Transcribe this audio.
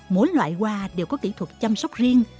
mỗi loại hoa đều có kỹ thuật chăm sóc riêng